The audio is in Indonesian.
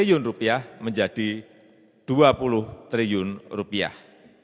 anggaran kartu prakerja dinaikkan dari rp sepuluh triliun menjadi rp dua puluh triliun